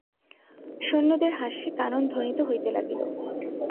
সৈন্যদের হাস্যে কানন ধ্বনিত হইতে লাগিল।